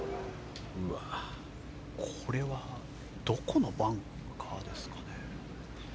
これはどこのバンカーですかね。